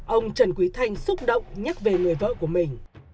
ông trần quý thanh xúc động nhắc về người vợ của mình